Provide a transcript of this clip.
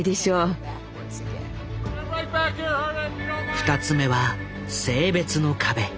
２つ目は性別の壁。